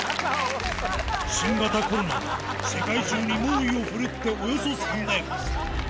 新型コロナが世界中に猛威を振るっておよそ３年。